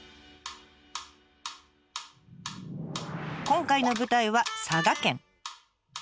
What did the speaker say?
今回の舞台は佐賀県。